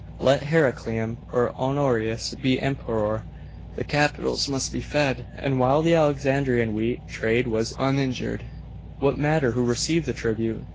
Let Heraclian or Honorius be emperor, the capitals must be fed; and while the Alexandrian wheat trade was uninjured, what matter who received the tribute?